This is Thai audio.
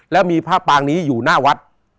แล้วมีพระปางนี้อยู่หน้าวัด